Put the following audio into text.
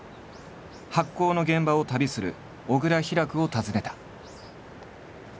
発酵の現場を旅する小倉ヒラクを訪ねた。